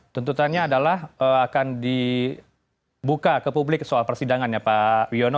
tuntutannya adalah akan dibuka ke publik soal persidangan ya pak wiono